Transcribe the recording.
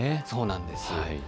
そうなんです。